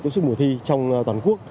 tiếp sức mùa thi trong toàn quốc